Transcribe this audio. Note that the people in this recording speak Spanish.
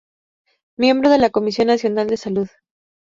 Miembro de la Comisión Nacional de Salud.